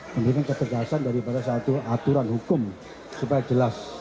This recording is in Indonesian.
memberikan ketegasan daripada satu aturan hukum supaya jelas